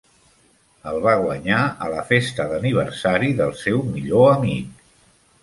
El va guanyar a la festa d'aniversari del seu millor amic.